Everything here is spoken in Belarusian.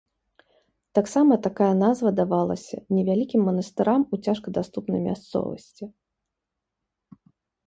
Таксама такая назва давалася невялікім манастырам у цяжкадаступнай мясцовасці.